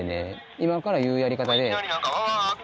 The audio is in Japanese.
今から言うやり方で。